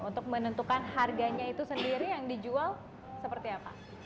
untuk menentukan harganya itu sendiri yang dijual seperti apa